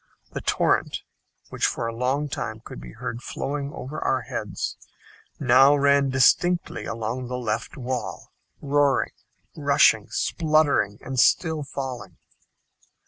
The torrent, which for a long time could be heard flowing over our heads, now ran distinctly along the left wall, roaring, rushing, spluttering, and still falling.